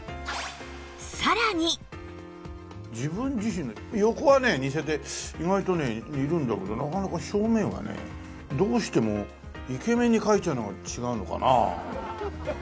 自分自身の横はね似せて意外とね似るんだけどなかなか正面はねどうしてもイケメンに描いちゃうのが違うのかな？